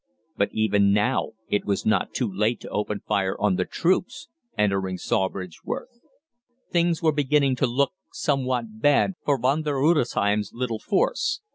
But even now it was not too late to open fire on the troops entering Sawbridgeworth. Things were beginning to look somewhat bad for Von der Rudesheim's little force.